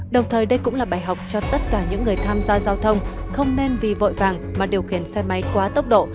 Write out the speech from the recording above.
đồng thời đây cũng là bài học cho tất cả những người tham gia giao thông không nên vì vội vàng mà điều khiển xe máy quá tốc độ